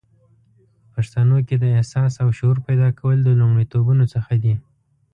په پښتنو کې د احساس او شعور پیدا کول د لومړیتوبونو څخه دی